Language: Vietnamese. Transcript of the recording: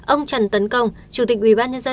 ông trần tấn công chủ tịch ubnd